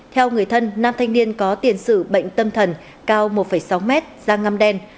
theo người thân nam thanh niên có tiền sự bệnh tâm thần cao một sáu mét da ngăm đen